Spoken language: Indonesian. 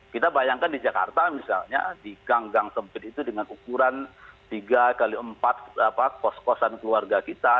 kita bayangkan di jakarta misalnya di gang gang sempit itu dengan ukuran tiga x empat kos kosan keluarga kita